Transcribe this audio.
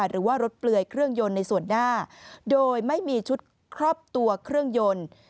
หรือว่ารถเปลือยเครื่องยนต์ในส่วนหน้าโดยไม่มีชุดครอบตัวเครื่องยนต์